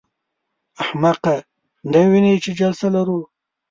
احمقه! نه وینې چې جلسه لرو.